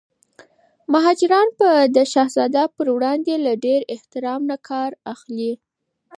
مهاراجا به د شهزاده پر وړاندي له ډیر احترام نه کار اخلي.